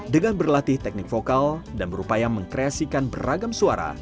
dengan berlatih teknik vokal dan berupaya mengkreasikan beragam suara